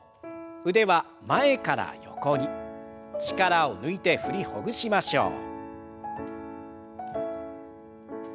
腕は前から横に力を抜いて振りほぐしましょう。